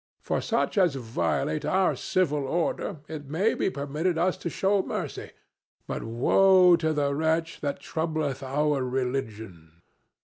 For such as violate our civil order it may be permitted us to show mercy, but woe to the wretch that troubleth our religion!"